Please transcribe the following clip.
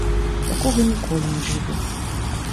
Такога ніколі не будзе!